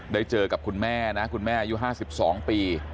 ได้เจอกับคุณแม่นะคุณแม่อายุ๕๒ปี